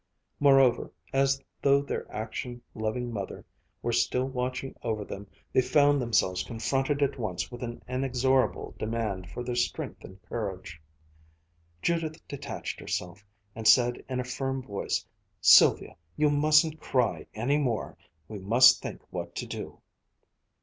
Moreover, as though their action loving mother were still watching over them, they found themselves confronted at once with an inexorable demand for their strength and courage. Judith detached herself, and said in a firm voice: "Sylvia, you mustn't cry any more. We must think what to do."